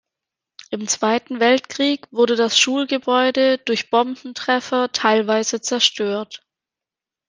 Im Zweiten Weltkrieg wurde das Schulgebäude durch Bombentreffer teilweise zerstört.